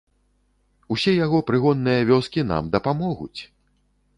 Усе яго прыгонныя вёскі нам дапамогуць!